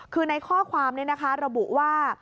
คือในข้อความนี้นะคะระบุว่า